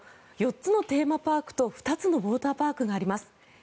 ４つのテーマパークと２つのウォーターパークがあります。